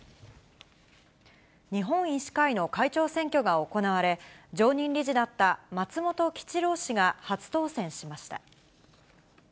日本医師会の会長選挙が行われ、常任理事だった松本吉郎氏が初当選しました。